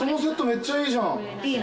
めっちゃいいじゃん。